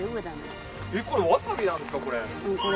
わさびなんですかこれ？